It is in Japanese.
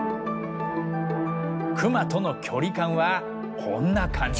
クマとの距離感はこんな感じ。